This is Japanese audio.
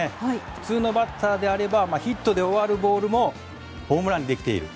普通のバッターであればヒットで終わるボールもホームランにできている。